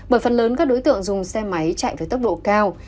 bởi phần lớn các đối tượng dùng xe máy chạy với tốc độ cao